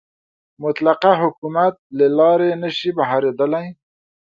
مطلقه حکومت له لارې نه شي مهارېدلی.